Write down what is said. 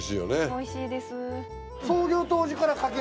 おいしいです。